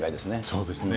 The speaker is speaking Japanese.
そうですね。